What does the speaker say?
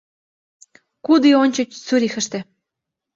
— Куд ий ончыч Цюрихыште.